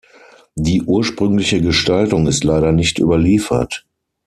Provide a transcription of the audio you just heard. Die ursprüngliche Gestaltung ist leider nicht überliefert.